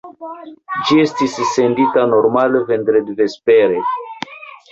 Ĝi estis sendita normale vendredvespere.